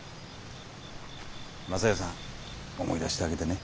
雅代さん思い出してあげでね。